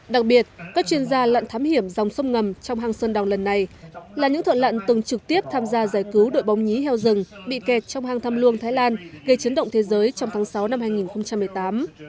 đặc biệt các chuyên gia lặn thám hiểm dòng sông ngầm trong hang sơn đòn lần này là những thợ lặn từng trực tiếp tham gia giải cứu đội bóng nhí heo rừng bị kẹt trong hang thăm luông thái lan gây chiến động thế giới trong tháng sáu năm hai nghìn một mươi tám